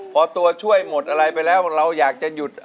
พอตัวช่วยหมดอะไรไปแล้วเราอยากจะหยุด